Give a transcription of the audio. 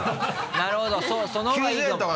なるほどその方がいいと思う。